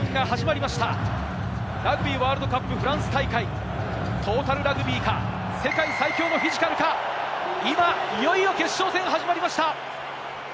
ラグビーワールドカップフランス大会、トータルラグビーか、世界最強のフィジカルか、今、決勝戦が始まりました。